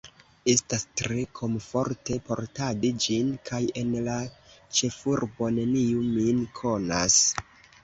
Estas tre komforte portadi ĝin, kaj en la ĉefurbo neniu min konas.